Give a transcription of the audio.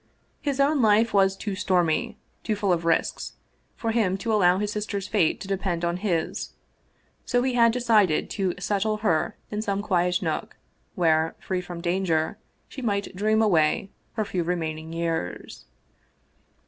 His own life was too stormy, too full of risks for him to allow his sister's fate to depend on his, so he had decided to set tle her in some quiet nook where, free from danger, she might dream away her few remaining years.